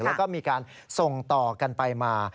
แล้วก็มีการส่งต่อกันไปมา